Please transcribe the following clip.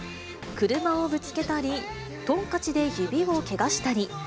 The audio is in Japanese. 車をぶつけたり、トンカチで指をけがしたり。